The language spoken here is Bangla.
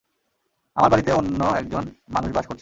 আমার বাড়িতে অন্য একজন মানুষ বাস করছে।